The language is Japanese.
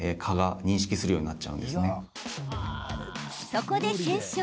そこで検証。